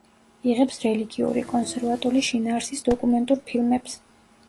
იღებს რელიგიური, კონსერვატული შინაარსის დოკუმენტურ ფილმებს.